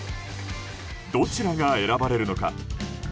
どちらが選ばれるのか。